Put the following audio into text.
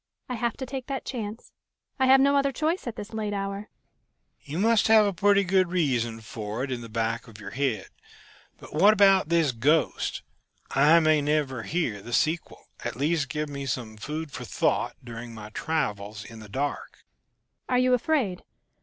I have to take that chance. I have no other choice at this late hour." "You must have a pretty good reason for it in the back of your head. But what about this ghost? I may never hear the sequel. At least give me some food for thought during my travels in the dark."